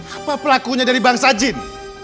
apa pelakunya dari bangsa jin